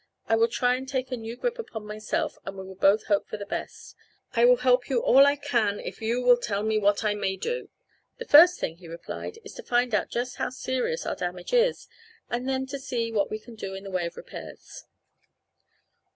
I will try and take a new grip upon myself and we will both hope for the best. I will help you all I can if you will tell me what I may do." "The first thing," he replied, "is to find out just how serious our damage is, and then to see what we can do in the way of repairs."